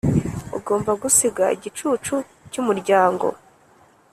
ugomba gusiga igicucu cyumuryango